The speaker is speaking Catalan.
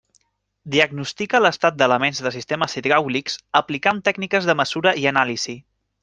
Diagnostica l'estat d'elements de sistemes hidràulics, aplicant tècniques de mesura i anàlisi.